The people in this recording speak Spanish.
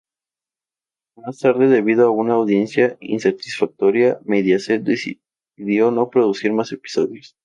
Más tarde, debido a una audiencia insatisfactoria, Mediaset decidió no producir más episodios.